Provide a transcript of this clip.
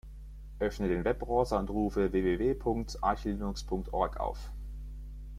Öffne den Webbrowser und rufe www.archlinux.org auf.